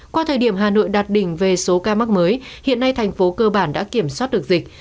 qua thời điểm hà nội đạt đỉnh về số ca mắc mới hiện nay thành phố cơ bản đã kiểm soát được dịch